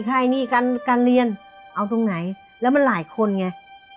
ค่ายหนี้การเรียนเอาตรงไหนแล้วมันหลายคนไง